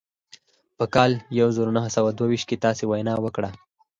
په کال يو زر و نهه سوه دوه ويشت کې تاسې وينا وکړه.